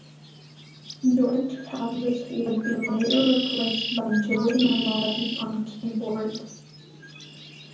George Pavlis would be later replaced by Joey Melotti on keyboards.